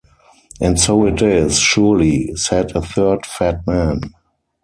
‘And so it is, surely,’ said a third fat man.